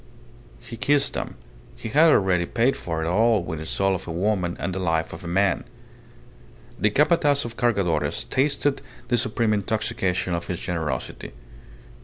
He kissed them. ... He had already paid for it all with the soul of a woman and the life of a man. ... The Capataz de Cargadores tasted the supreme intoxication of his generosity.